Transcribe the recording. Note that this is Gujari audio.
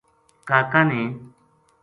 کا کا نے